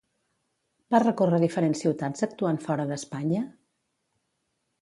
Va recórrer diferents ciutats actuant fora d'Espanya?